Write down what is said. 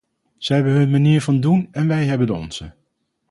Zij hebben hun manier van doen en wij hebben de onze.